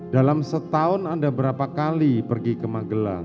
dalam setahun anda berapa kali pergi ke magelang